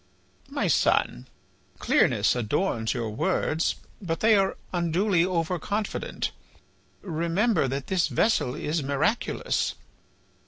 "My son, clearness adorns your words, but they are unduly over confident. Remember that this vessel is miraculous."